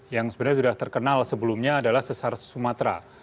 yang sebenarnya sudah terkenal sebelumnya adalah sesar sumatera